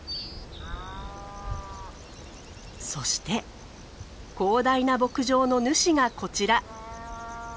そして広大な牧場の主がこちら。